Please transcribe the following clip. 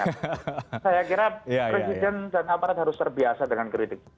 saya kira presiden dan aparat harus terbiasa dengan kritik